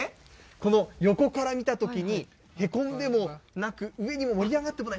この横から見たときに、へこんでもなく、上に盛り上がってもない。